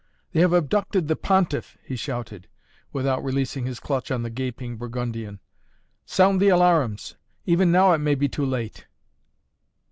"They have abducted the Pontiff!" he shouted, without releasing his clutch on the gaping Burgundian. "Sound the alarums! Even now it may be too late!"